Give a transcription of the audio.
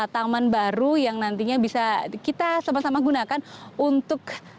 taman baru yang nantinya bisa kita sama sama gunakan untuk